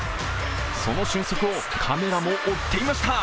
その俊足をカメラも追っていました。